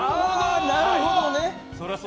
なるほどね。